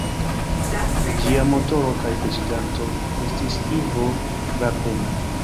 Ĝia motoro kaj prezidanto estis Ivo Lapenna.